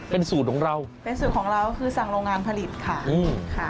เป็นสูตรของเราเป็นสูตรของเราคือสั่งโรงงานผลิตค่ะอืมค่ะ